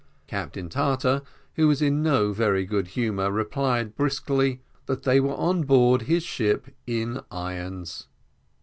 Captain Tartar, who was in no very good humour, replied briskly, "that they were on board his ship in irons."